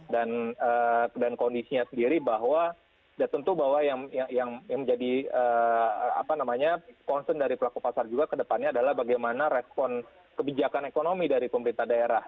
dan kondisinya sendiri bahwa ya tentu bahwa yang menjadi konsen dari pelaku pasar juga ke depannya adalah bagaimana respon kebijakan ekonomi dari pemerintah daerah